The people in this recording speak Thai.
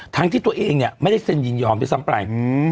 ที่ตัวเองเนี่ยไม่ได้เซ็นยินยอมด้วยซ้ำไป